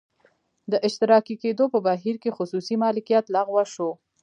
د اشتراکي کېدو په بهیر کې خصوصي مالکیت لغوه شو